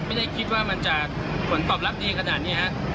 ไม่ได้คิดว่ามันจะผลตอบรับดีขนาดนี้ฮะ